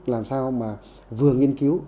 làm sao mà vừa nghiên cứu